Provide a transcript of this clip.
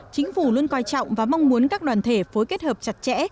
chính phủ luôn coi trọng và mong muốn các đoàn thể phối kết hợp chặt chẽ